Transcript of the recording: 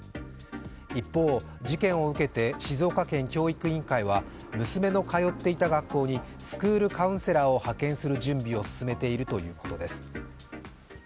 一方、事件を受けて静岡県教育委員会は娘の通っていた学校にスクールカウンセラーを派遣する準備を進めているということです